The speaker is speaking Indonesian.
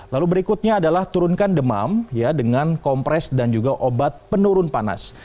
lalu berikutnya adalah turunkan demam ya dengan kompres dan juga obat penurun panas